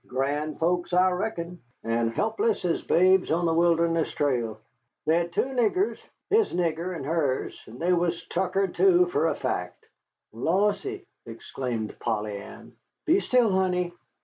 "Grand folks, I reckon. And helpless as babes on the Wilderness Trail. They had two niggers his nigger an' hers and they was tuckered, too, fer a fact." "Lawsy!" exclaimed Polly Ann. "Be still, honey!"